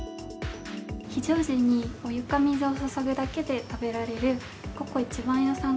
非常時に、お湯か水を注ぐだけで食べられる、ココ壱番屋さん